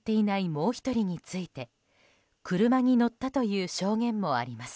もう１人について車に乗ったという証言もあります。